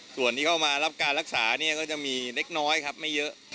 ส่วนที่เข้ามารับรักษามีเละน้อยไม่เยอะ